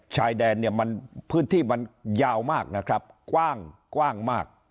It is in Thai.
ชายแดนเนี่ยมันพื้นที่มันยาวมากนะครับกว้างกว้างมาก